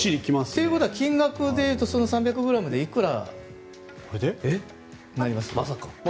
ということは金額で言うとこの３００ｇでいくらになります？